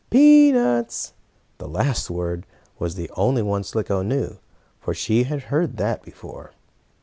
and "peanuts!" The last word was the only one Slicko knew, for she had heard that before.